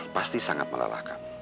pasti sangat melalahkan